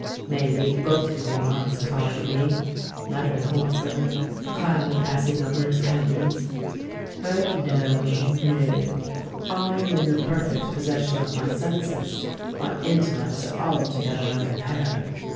"May be both your remarks apply to me," muttered Holford, a cloud passing over his countenance. "But—no—no: I am in the perfect possession of my senses—my intellects are altogether unimpaired.